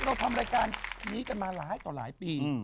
เราทำรายการนี้กันมาหลายต่อหลายปี